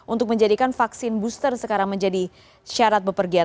untuk menjadikan vaksin booster sekarang menjadi syarat berpergian